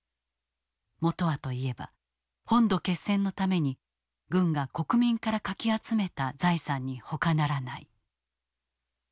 元はといえば本土決戦のために軍が国民からかき集めた財産にほかならない。